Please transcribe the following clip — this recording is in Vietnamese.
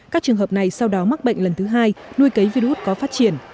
các trường hợp này sau đó mắc bệnh lần thứ hai nuôi cấy virus có phát triển